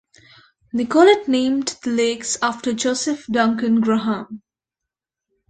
Nicollet named the lakes after Joseph Duncan Graham.